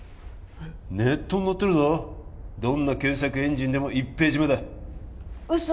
ネットに載ってるぞどんな検索エンジンでも１ページ目だ嘘！？